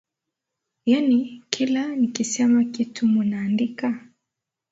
Yaani kila nikisema kitu munaandika?